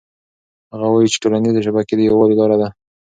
هغه وایي چې ټولنيزې شبکې د یووالي لاره ده.